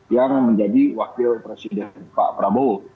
yang menjadi wakil presiden pak prabowo